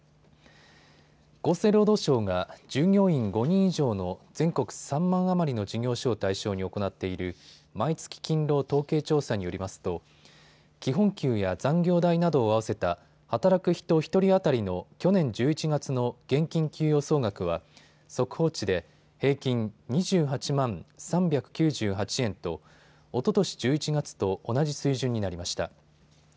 厚生労働省が従業員５人以上の全国３万余りの事業所を対象に行っている毎月勤労統計調査によりますと基本給や残業代などを合わせた働く人１人当たりの去年１１月の現金給与総額は速報値で平均２８万３９８円とおととし１１月と同じ水準になりました。